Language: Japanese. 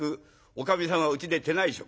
おかみさんはうちで手内職。